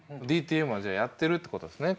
ＤＴＭはじゃあやってるってことですね